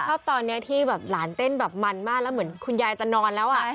ชอบตอนนี้ที่แบบหลานเต้นแบบมันมากแล้วเหมือนคุณยายจะนอนแล้ว